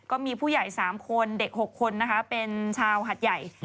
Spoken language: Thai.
ก็มีผู้ใหญ่๓คนเด็ก๖คนนะคะเป็นชาวหัดใหญ่